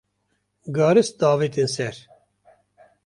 garis davêtin ser